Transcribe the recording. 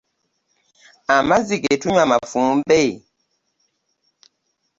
Amazzi ge tunywa mafumbe?